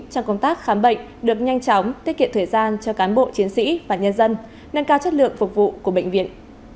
trong công tác khám bệnh được nhanh chóng tiết kiệm thời gian cho cán bộ chiến sĩ và nhân dân nâng cao chất lượng phục vụ của bệnh viện